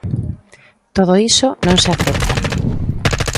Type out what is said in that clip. Todo iso non se acepta.